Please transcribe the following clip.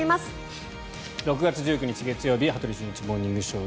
６月１９日、月曜日「羽鳥慎一モーニングショー」。